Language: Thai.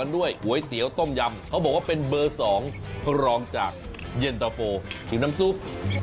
ด้วยก๋วยเตี๋ยวต้มยำเขาบอกว่าเป็นเบอร์๒รองจากเย็นตะโฟถึงน้ำซุป